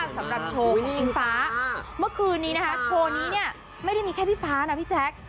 สำหรับโชว์พี่อิงฟ้าเมื่อคืนนี้นะคะโชว์นี้เนี่ยไม่ได้มีแค่พี่ฟ้านะพี่แจ๊ค